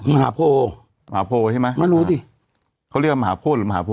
มหาโพมหาโพใช่ไหมไม่รู้สิเขาเรียกว่ามหาโพธิหรือมหาโพ